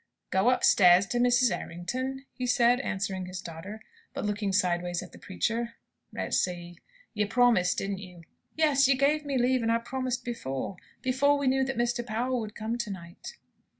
"Go upstairs to Mrs. Errington?" he said, answering his daughter, but looking sideways at the preacher. "Let's see; you promised, didn't you?" "Yes; you gave me leave, and I promised before before we knew that Mr. Powell would come to night."